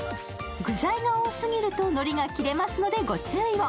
具材が多すぎるとのりが切れますのでご注意を。